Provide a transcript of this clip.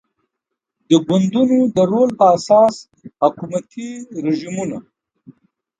د ګوندونو د رول پر اساس حکومتي رژیمونه